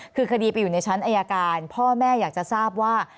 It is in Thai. คือคดีไปอยู่ในชั้นอายการพ่อแม่อยากจะทราบว่า